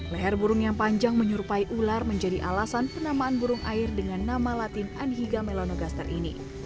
leher burung yang panjang menyerupai ular menjadi alasan penamaan burung air dengan nama latin anhiga melonogaster ini